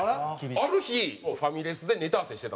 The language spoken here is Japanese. ある日ファミレスでネタ合わせしてたんですよ。